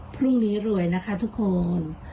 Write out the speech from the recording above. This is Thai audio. พรุ่งนี้รวยนะคะทุกคน